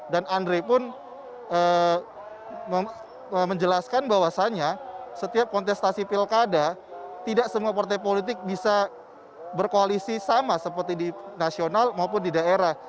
dan andre pun menjelaskan bahwasannya setiap kontestasi pilkada tidak semua partai politik bisa berkoalisi sama seperti di nasional maupun di daerah